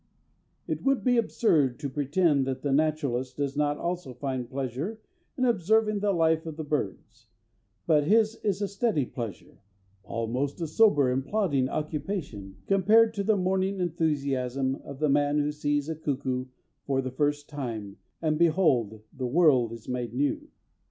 It would be absurd to pretend that the naturalist does not also find pleasure in observing the life of the birds, but his is a steady pleasure, almost a sober and plodding occupation, compared to the morning enthusiasm of the man who sees a cuckoo for the first time, and, behold, the world is made new.